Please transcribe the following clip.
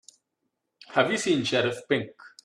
Have you seen Sheriff Pink?